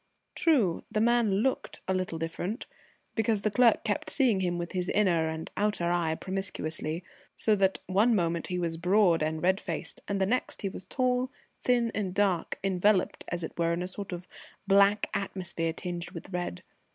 True, the man looked a little different, because the clerk kept seeing him with his inner and outer eye promiscuously, so that one moment he was broad and red faced, and the next he was tall, thin, and dark, enveloped, as it were, in a sort of black atmosphere tinged with red.